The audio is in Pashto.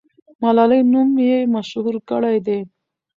ملالۍ نوم یې مشهور کړی دی.